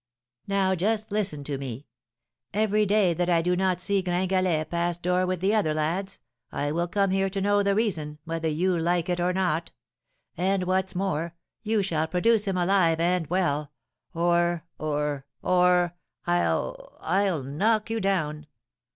"'Now, just listen to me. Every day that I do not see Gringalet pass my door with the other lads, I will come here to know the reason, whether you like it or not; and what's more, you shall produce him alive and well, or or or I'll I'll knock you down!'